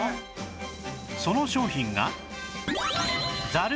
その商品が